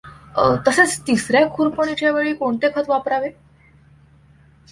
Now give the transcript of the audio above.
तसेच तिसर्या खुरपणीच्या वेळी कोणते खत वापरावे?